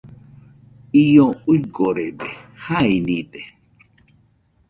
Io uigorede, jainide,